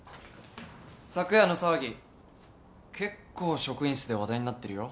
昨夜の騒ぎ結構職員室で話題になってるよ。